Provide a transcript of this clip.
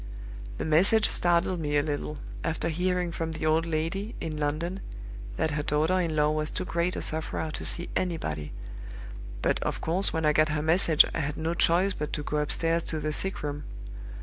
The message startled me a little, after hearing from the old lady, in London, that her daughter in law was too great a sufferer to see anybody; but, of course, when I got her message, I had no choice but to go up stairs to the sick room.